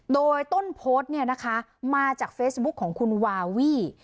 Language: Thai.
โดยต้นโพสต์มาจากเฟซบุ๊กของคุณวาวี่